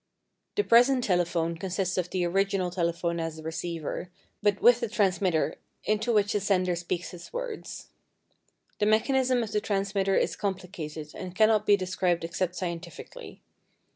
The present telephone consists of the original telephone as a receiver, but with a transmitter into which the sender speaks his words. The mechanism of the transmitter is complicated and cannot be described except scientifically.